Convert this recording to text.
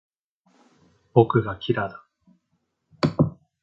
僕がキラだ